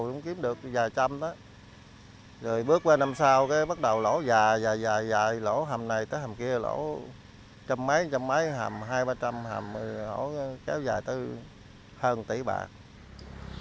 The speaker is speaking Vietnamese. lúc đầu cũng kiếm được vài trăm đó rồi bước qua năm sau thì bắt đầu lỗ dài dài dài lỗ hầm này tới hầm kia lỗ trăm mấy trăm mấy hầm hai ba trăm hầm lỗ kéo dài tới hơn tỷ bạc